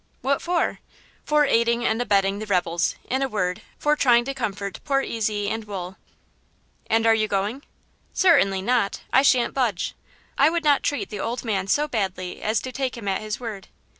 "What for?" "For aiding and abetting the rebels; in a word, for trying to comfort poor Ezy and Wool." "And are you going?" "Certainly not; I shan't budge; I would not treat the old man so badly as to take him at his word."